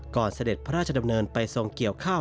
เสด็จพระราชดำเนินไปทรงเกี่ยวข้าว